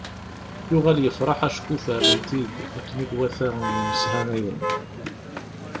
Yuɣal yefreḥ acku fehmen-t-id akken i iwata yimeshanayen.